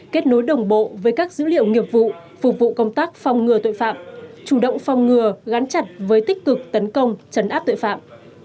kết nối đồng bộ với các dữ liệu nghiệp vụ phục vụ công tác phòng ngừa tội phạm chủ động phòng ngừa gắn chặt với tích cực tấn công chấn áp tội phạm